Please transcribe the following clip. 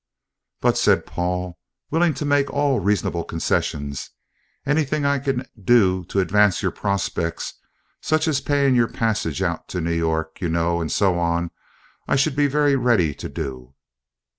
"But," said Paul, willing to make all reasonable concessions, "anything I can do to advance your prospects such as paying your passage out to New York, you know, and so on I should be very ready to do."